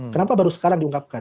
kenapa baru sekarang diungkapkan